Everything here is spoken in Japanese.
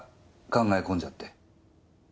考え込んじゃって。